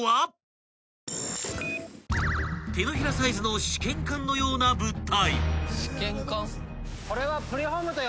［手のひらサイズの試験管のような物体］